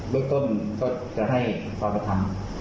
เบอร์ก้นก็จะให้พาไปทำโอ้ยเป็นทำแน่นอนครับ